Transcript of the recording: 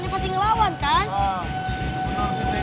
dia pasti ngelawan kan